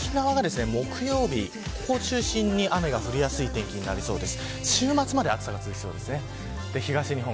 沖縄が、木曜日ここを中心に雨が降りやすい天気になりそうです。